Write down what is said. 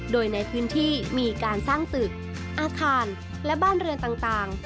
โดยในพื้นที่มีการสร้างตึกอาคารและบ้านเรือนต่าง